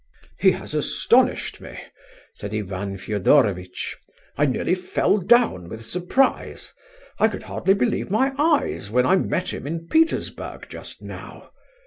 "He has astonished me," said Ivan Fedorovitch. "I nearly fell down with surprise. I could hardly believe my eyes when I met him in Petersburg just now.